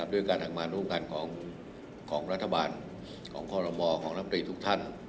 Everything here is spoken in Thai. ด้วยการทำงานร่วมกันของรัฐบาลของคอรมอของน้ำตรีทุกท่าน